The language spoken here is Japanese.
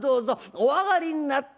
『お上がりになって』。